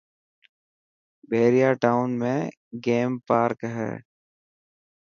پهريان ٽاون ۾ گيم پارڪ هي.